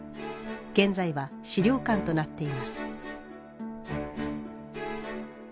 現在は資料館となっています。